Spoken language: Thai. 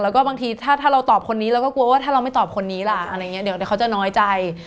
แล้วก็บางทีถ้าเราตอบคนนี้เราก็กลัวว่าถ้าเราไม่ตอบคนนี้ล่ะอะไรอย่างนี้เดี๋ยวเขาจะน้อยใจ